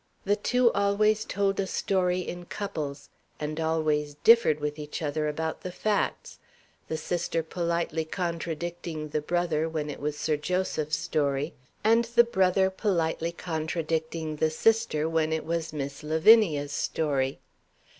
The two always told a story in couples, and always differed with each other about the facts, the sister politely contradicting the brother when it was Sir Joseph's story, and the brother politely contradicting the sister when it was Miss Lavinia's story.